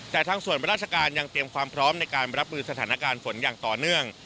แต่ทางส่วนราชการยังเตรียมความพร้อมในการรับมือสถานการณ์ฝนอย่างต่อเนื่อง